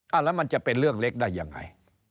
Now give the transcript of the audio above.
แล้วมันจะเป็นเรื่องเล็กได้ยังไง